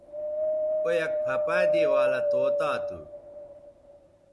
او یک پَھہ پہ دے والہ طوطا تھو